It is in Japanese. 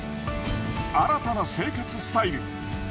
新たな生活スタイル。